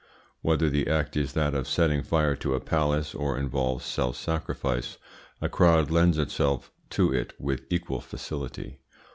Whether the act is that of setting fire to a palace, or involves self sacrifice, a crowd lends itself to it with equal facility.